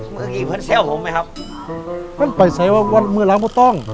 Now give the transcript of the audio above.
เมื่อกี้เพลินเซลล์ผมไหมครับมันไปใส่ว่าวันเมื่อหลังไม่ต้อง